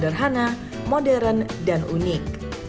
sederhana modern dan unik